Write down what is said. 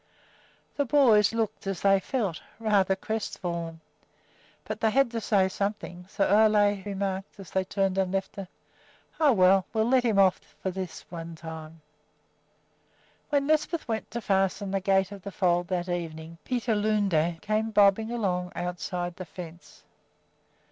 The boys looked as they felt, rather crestfallen. But they had to say something, so Ole remarked, as they turned and left her, "Oh, well, we 'll let him off for this one time." When Lisbeth went to fasten the gate of the fold that evening Peter Lunde came bobbing along outside the fence.